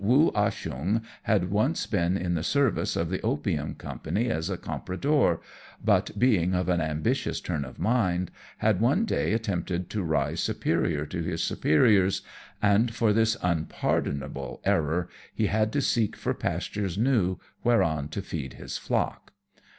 Woo Ah Cheong had once been in the service of the opium company as a compradore, but being of an ambitious SHANGHAI AGAIN. 79 turn of mind, had one day attempted to rise superior to his superiors, and for this unpardonable error he had to seek for pastures new whereon to feed his flock.